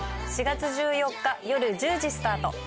４月１４日夜１０時スタート。